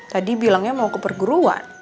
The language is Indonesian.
tadi bilangnya mau ke perguruan